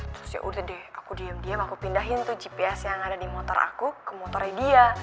terus yaudah deh aku diem diam aku pindahin tuh gps yang ada di motor aku ke motornya dia